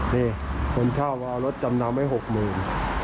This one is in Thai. นี่คุณเช่าเอารถมาจำนำให้หกหมื่น